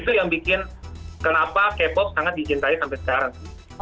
itu yang bikin kenapa k pop sangat dicintai sampai sekarang